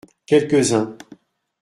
Quelques-uns.